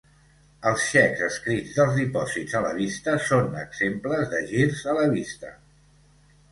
Els xecs escrits dels dipòsits a la vista són exemples de girs a la vista.